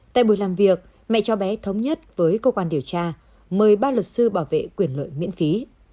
tại buổi làm việc mẹ cho bé thống nhất với cơ quan điều tra mời ba luật sư bảo vệ quyền lợi miễn phí